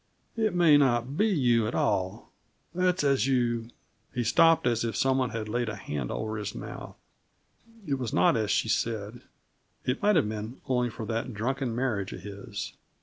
It may not be you at all; that's as you " He stopped as if some one had laid a hand over his mouth. It was not as she said. It might have been, only for that drunken marriage of his.